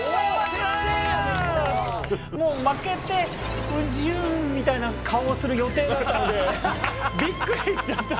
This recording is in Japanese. もう負けてウジュンみたいな顔をする予定だったんでびっくりしちゃって本当に。